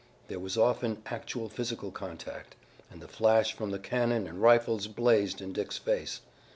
There was often actual physical contact, and the flash from the cannon and rifles blazed in Dick's face.